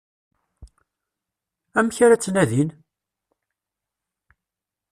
Amek ara tt-nadin?